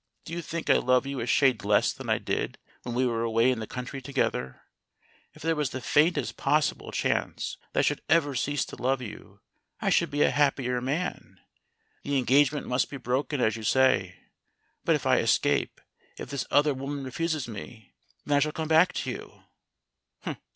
Do you think I love you a shade less than I did when we were away in the country together? If there was the faintest possible chance that I should ever cease to love you I should be a happier man. The engagement must be broken, as you say. But if I escape if this other woman refuses me, then I shall come back to you."